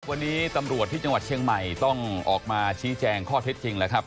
วันนี้ตำรวจที่จังหวัดเชียงใหม่ต้องออกมาชี้แจงข้อเท็จจริงแล้วครับ